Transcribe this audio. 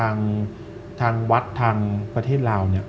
ซึ่งอันนี้ทางวัฒน์ทางประเทศลาว